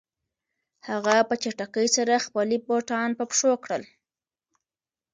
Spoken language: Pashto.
هغه په چټکۍ سره خپلې بوټان په پښو کړل.